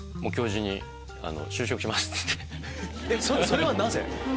それはなぜ？